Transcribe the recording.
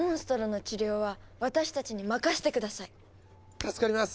助かります。